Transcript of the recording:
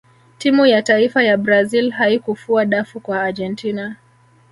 timu ya taifa ya brazil haikufua dafu kwa argentina